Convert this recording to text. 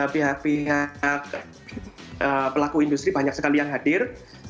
pihak pihak pelaku industri banyak sekali yang hadir